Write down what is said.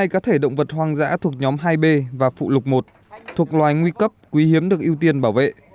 hai mươi cá thể động vật hoang dã thuộc nhóm hai b và phụ lục một thuộc loài nguy cấp quý hiếm được ưu tiên bảo vệ